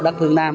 đất phương nam